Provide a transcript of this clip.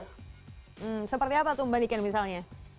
hmm seperti apa tuh membandingkan misalnya